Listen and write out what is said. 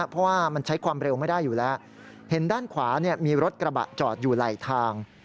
เพราะว่ามันใช้ความเร็วไม่ได้อยู่แล้วเห็นด้านขวามีรถกระบะจอดอยู่ไหลทาง